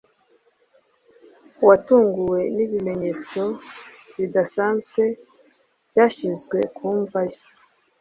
watunguwe n’ibimenyetso bidasanzwe byashyizwe ku mva ye